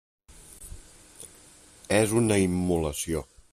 És una immolació.